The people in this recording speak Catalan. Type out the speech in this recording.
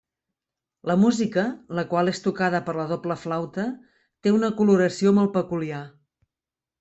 La música, la qual és tocada per la doble flauta, té una coloració molt peculiar.